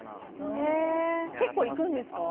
結構、行くんですか？